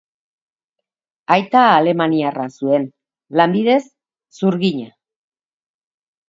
Aita alemaniarra zuen, lanbidez zurgina.